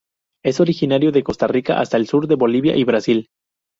Es originario de Costa Rica hasta el sur de Bolivia y Brasil.